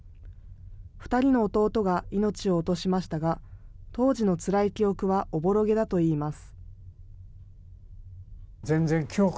２人の弟が命を落としましたが、当時のつらい記憶はおぼろげだといいます。